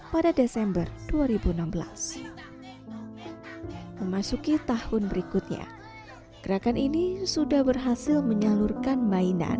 pada dasarnya ini adalah satu gerakan yang diberi nama sedekah mainan